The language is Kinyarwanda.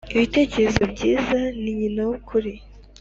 ibitekerezo byiza ninyina w’ ukuri